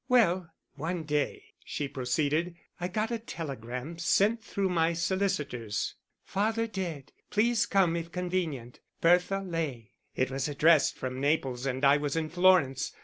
"Well, one day," she proceeded, "I got a telegram, sent through my solicitors: 'Father dead, please come if convenient. BERTHA LEY.' It was addressed from Naples and I was in Florence.